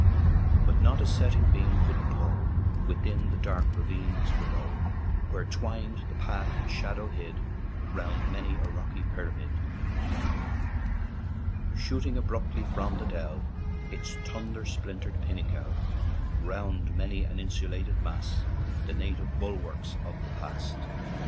But not a setting beam could glow Within the dark ravines below, Where twined the path in shadow hid, Round many a rocky pyramid, 30 DUNFANAGHY TO FALLCARRAGH Shooting abruptly from the dell Its thunder splintered pinnacle; Round many an insulated mass, The native bulwarks of the pass.